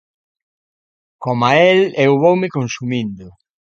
Coma el eu voume consumindo.